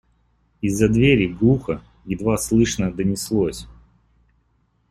И из-за двери глухо, едва слышно донеслось: